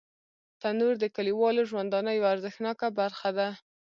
تنور د کلیوالو ژوندانه یوه ارزښتناکه برخه ده